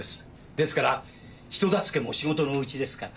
ですから人助けも仕事のうちですから。